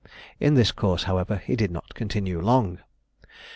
In this course, however, he did not continue long.